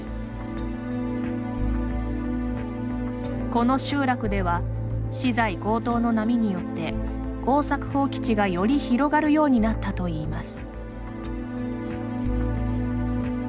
この集落では資材高騰の波によって耕作放棄地が、より広がるようになったといいます。